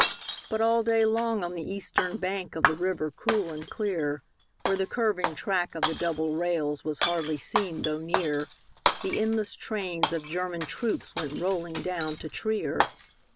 But all day long on the eastern bank Of the river cool and clear, Where the curving track of the double rails Was hardly seen though near, The endless trains of German troops Went rolling down to Trier.